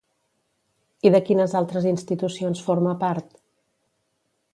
I de quines altres institucions forma part?